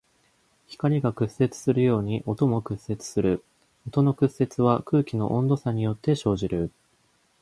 光が屈折するように音も屈折する。音の屈折は空気の温度差によって生じる。